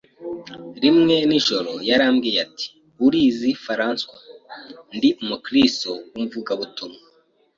Rimwe ari nijoro, yarambwiye ati "Urazi Francois, ndi Umukristo w’umuvugabutumwa,